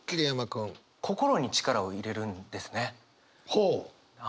ほう！